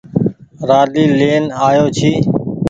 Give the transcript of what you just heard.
رآلي لين آيو ڇي۔